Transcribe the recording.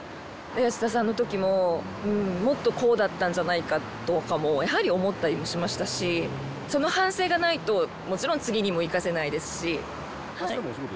安田さんの時ももっとこうだったんじゃないかとかもやはり思ったりもしましたしその反省がないともちろん次にも生かせないですし。